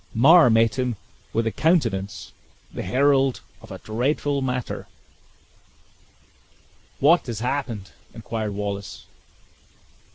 Mar met him with a countenance, the herald of a dreadful matter. "What has happened?" inquired Wallace.